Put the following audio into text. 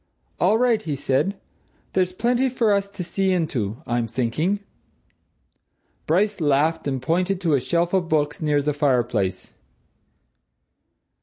"All right," he said. "There's plenty for us to see into, I'm thinking!" Bryce laughed and pointed to a shelf of books near the fireplace.